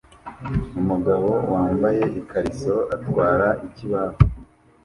Umugabo wambaye ikariso atwara ikibaho